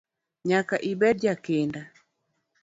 Nyaka ibed jakinda.